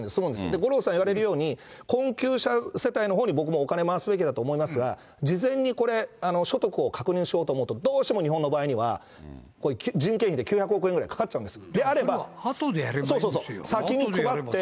五郎さん、言われるように困窮者世帯のほうに、僕もお金回すべきだと思いますが、事前にこれ、所得を確認しようと思うと、どうしても日本の場合には、こういう人件費で９００億円くらいかかっちゃうんです。